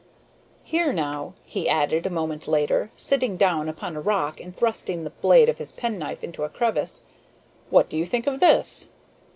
"Here now," he added a moment later, sitting down upon a rock and thrusting the blade of his penknife into a crevice, "what do you think of this?"